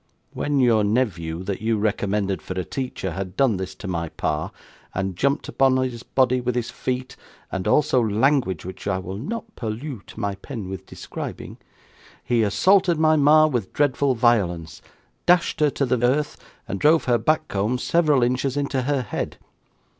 'When your nevew that you recommended for a teacher had done this to my pa and jumped upon his body with his feet and also langwedge which I will not pollewt my pen with describing, he assaulted my ma with dreadful violence, dashed her to the earth, and drove her back comb several inches into her head.